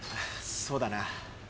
そうだな